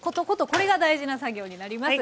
これが大事な作業になります。